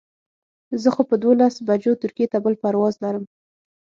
زه خو په دولس بجو ترکیې ته بل پرواز لرم.